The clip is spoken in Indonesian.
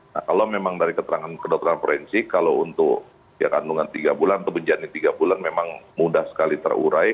nah kalau memang dari keterangan kedokteran forensik kalau untuk ya kandungan tiga bulan atau benjani tiga bulan memang mudah sekali terurai